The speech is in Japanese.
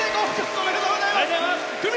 ありがとうございます！